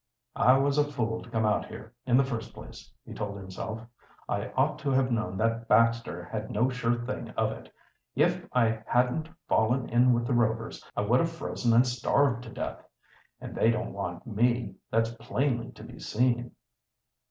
"I was a fool to come out here, in the first place," he told himself. "I ought to have known that Baxter had no sure thing of it. If I hadn't fallen in with the Rovers, I would have frozen and starved to death. And they don't want me; that's plainly to be seen."